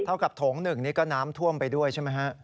เท่ากับโถง๑นี่ก็น้ำท่วมไปด้วยใช่ไหมฮะ